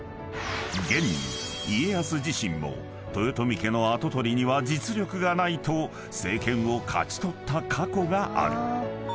［現に家康自身も豊臣家の跡取りには実力がないと政権を勝ち取った過去がある］